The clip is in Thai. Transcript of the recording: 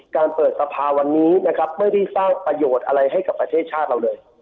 เปิดสภาวันนี้นะครับไม่ได้สร้างประโยชน์อะไรให้กับประเทศชาติเราเลย